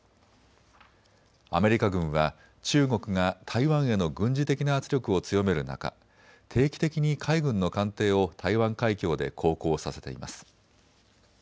アメリカ軍は中国が台湾への軍事的な圧力を強める中、定期的に海軍の艦艇を台湾海峡で航行させています。